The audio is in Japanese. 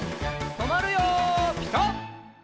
とまるよピタ！